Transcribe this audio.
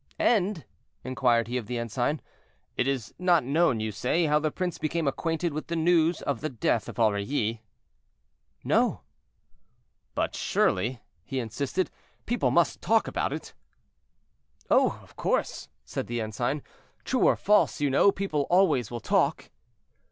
"And," inquired he of the ensign, "it is not known, you say, how the prince became acquainted with the news of the death of Aurilly?" "No." "But surely," he insisted, "people must talk about it?" "Oh! of course," said the ensign; "true or false, you know, people always will talk."